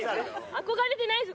憧れてないです